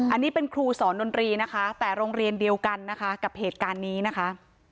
อันนี้เป็นครูสอนดนตรีนะคะแต่โรงเรียนเดียวกันนะคะกับเหตุการณ์นี้นะคะ